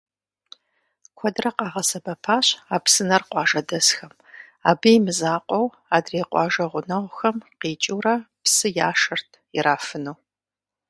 Куэдрэ къагъэсэбэпащ а псынэр къуажэдэсхэм, абы имызакъуэу, адрей къуажэ гъунэгъухэм къикӏыурэ псы яшэрт ирафыну.